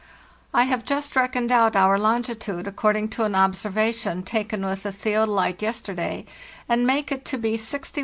"| have just reckoned out our longitude according to an observation taken with the theodolite yesterday, and make it to be 61° 16.